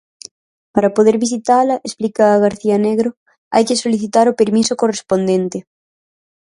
Para poder visitala, explica García Negro, "hai que solicitar o permiso correspondente".